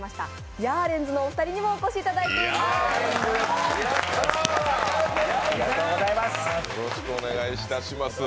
ヤーレンズのお二人にもお越しいただきました。